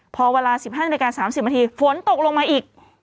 พอเวลา๑๕นาฬิกา๓๐นาทีฝนตกลงมาอีก